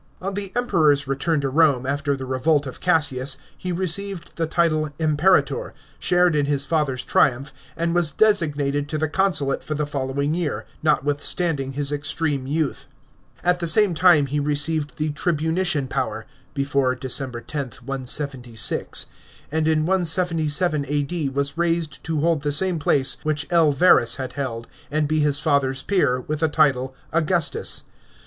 On the Emperor's return to Home after the revolt of Cassius, he received the title Imperator, shared in his father's triumph, and 'was designated to the consulate for the following year, notwith standing his extreme youth. At the same time he received the tribunician power (before Dec. 10th, 176), and in 177 A.D. was raised to\ hold the same place which L. Verus had held, and be his father's peer, with the title Augustus.